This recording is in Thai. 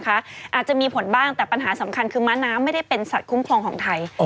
อาจจะมีผลบ้างแต่ปัญหาสำคัญคือม้าน้ำไม่ได้เป็นสัตว์คุ้มครองของไทย